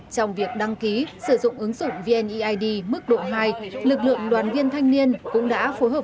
trong việc đăng ký sử dụng ứng dụng vneid mức độ hai lực lượng đoàn viên thanh niên cũng đã phối hợp